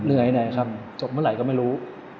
เหนื่อยหน่อยครับจบเมื่อไหร่ก็ไม่รู้